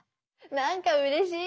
なんかうれしい。